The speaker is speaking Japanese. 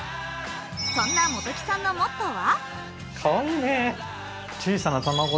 そんな本木さんのモットーは？